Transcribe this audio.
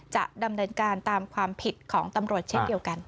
จะดำเนินการตามความผิดของตำรวจเช่นเดียวกัน